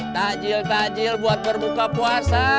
takjil tajil buat berbuka puasa